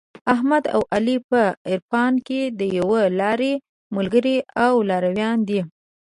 احمد او علي په عرفان کې د یوې لارې ملګري او لارویان دي.